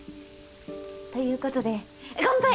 ということで乾杯！